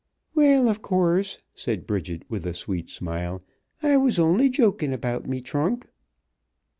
"Well, of course," said Bridget with a sweet smile, "I was only jokin' about me trunk."